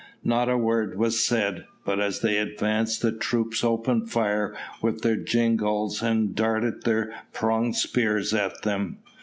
Not a word was said; but as they advanced the troops opened fire with their jingalls and darted their pronged spears at them.